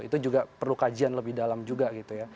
itu juga perlu kajian lebih dalam juga gitu ya